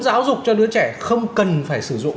giáo dục cho đứa trẻ không cần phải sử dụng